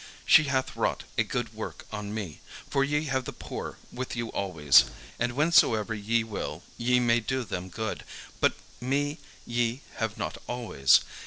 She hath wrought a good work on me. For ye have the poor with you always, and whensoever ye will ye may do them good: but me ye have not always.